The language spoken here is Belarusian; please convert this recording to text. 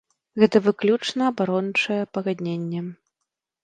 Гэта выключна абарончае пагадненне.